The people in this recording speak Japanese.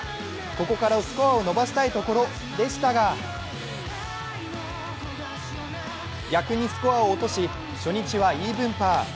ここからスコアを伸ばしたいところでしたが逆にスコアを落とし初日はイーブンパー。